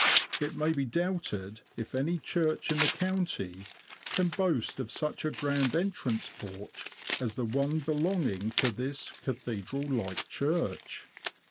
It may be doubted if any church in the county can boast of such a grand entrance porch as the one belonging to this cathedral like church.